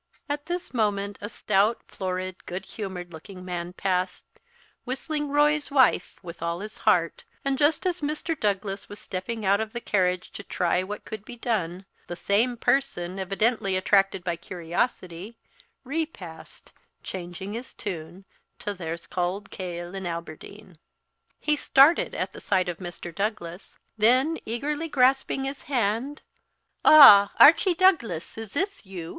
At this moment a stout, florid, good humoured looking man passed, whistling "Roy's Wife" with all his heart and just as Mr. Douglas was stepping out of the carriage to try what could be done, the same person, evidently attracted by curiosity, repassed, changing his tune to "There's cauld kail in Aberdeen." He started at sight of Mr. Douglas; then eagerly grasping his hand, "Ah! Archie Douglas, is this you?"